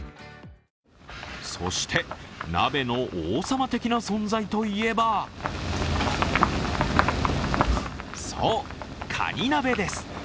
そして、鍋の王様的存在といえばそう、カニ鍋です。